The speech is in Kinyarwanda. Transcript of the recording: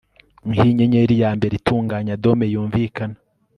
nkinyenyeri yambere itunganya dome yunvikana